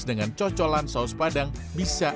dengan cocolan saus padang bisa